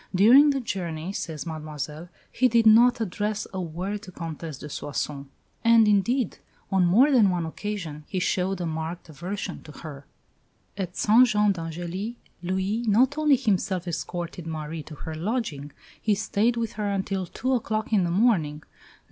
"During the journey," says Mademoiselle, "he did not address a word to the Comtesse de Soissons"; and, indeed, on more than one occasion he showed a marked aversion to her. At St Jean d'Angely, Louis not only himself escorted Marie to her lodging; he stayed with her until two o'clock in the morning.